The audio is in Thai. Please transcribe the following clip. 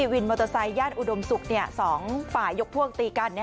วินมอเตอร์ไซค์ย่านอุดมศุกร์๒ฝ่ายยกพวกตีกัน